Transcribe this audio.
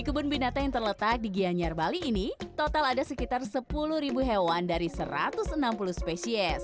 kebun binatang yang terletak di gianyar bali ini total ada sekitar sepuluh hewan dari satu ratus enam puluh spesies